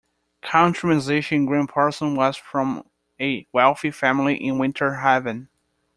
Country musician Gram Parsons was from a wealthy family in Winter Haven.